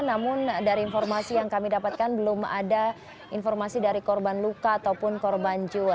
namun dari informasi yang kami dapatkan belum ada informasi dari korban luka ataupun korban jiwa